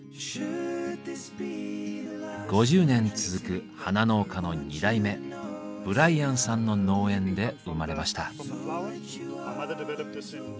５０年続く花農家の二代目ブライアンさんの農園で生まれました。